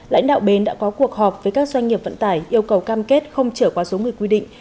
lãnh đạo bến đã có cuộc họp với các doanh nghiệp vận tải yêu cầu cam kết không trở qua số người quy định